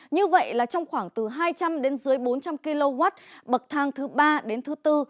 như vậy là trong khoảng từ hai trăm linh đến dưới bốn trăm linh kw bậc thang thứ ba đến thứ bốn